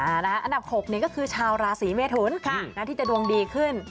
อันดับ๖นี่ก็คือชาวราศีเมทุนที่จะดวงดีขึ้น